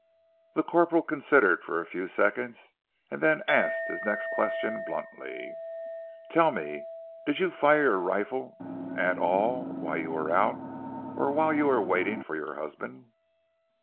The corporal considered for a few seconds, and then asked his next question bluntly. "Tell me, did you fire your rifle at all whilst you were out, or whilst you were waiting for your husband?"